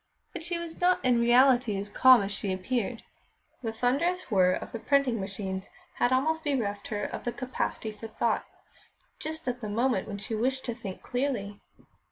But she was not in reality as calm as she appeared. The thunderous whirr of the printing machines had almost bereft her of the capacity for thought, just at the moment when she wished to think clearly.